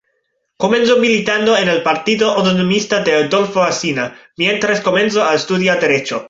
Comenzó militando en el Partido Autonomista de Adolfo Alsina, mientras comenzó a estudiar derecho.